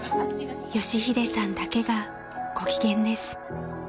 ［佳秀さんだけがご機嫌です］